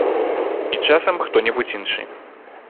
І, часам, хто-небудзь іншы.